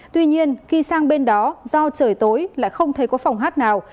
tuy nhiên khi sang bên đó do trời tối lại không thấy có phòng hát nào